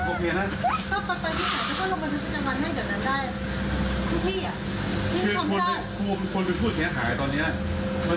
ผมก็เดินบรรยาทีกับคนเลขภาพ